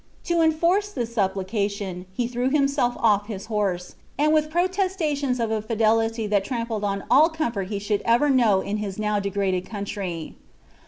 To enforce this supplication, he threw himself off his horse, and, with protestations of a fidelity that trampled on all comfort he should ever know in his now degraded country.